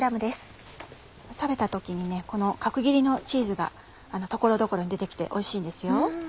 食べた時にこの角切りのチーズが所々に出て来ておいしいんですよ。